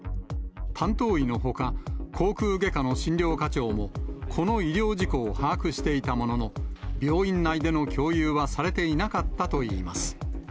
担当医のほか、口くう外科の診療課長も、この医療事故を把握していたものの、病院内での共有はされていなかったといいます。